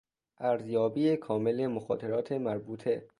ارزیابی کامل مخاطرات مربوطه